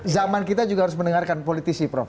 zaman kita juga harus mendengarkan politisi prof